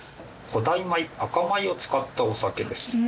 古代米赤米を使ったお酒です。